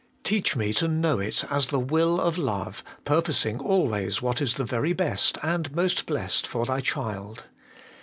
Teach me to know it as the Will of Love, pur posing always what is the very best and most blest for Thy child.